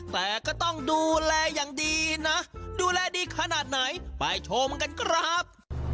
แต่ก็ต้องดูแลอย่างดีนะดูแลดีขนาดไหนไปชมกันครับ